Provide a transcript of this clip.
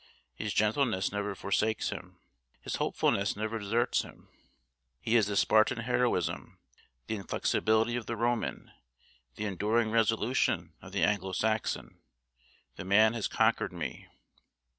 His gentleness never forsakes him: his hopefulness never deserts him. His is the Spartan heroism, the inflexibility of the Roman, the enduring resolution of the Anglo Saxon. The man has conquered me."